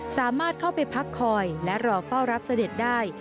สามารถเข้าไปพักคอยและรอเฝ้ารับเสด็จได้